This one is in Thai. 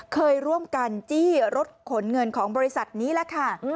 เคยร่วมกันจี้รถขนเงินของบริษัทนี้แหละค่ะ